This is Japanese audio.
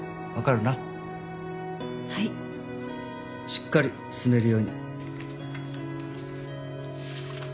しっかり進めるように。